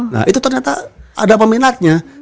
nah itu ternyata ada peminatnya